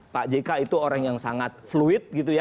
pak jk itu orang yang sangat fluid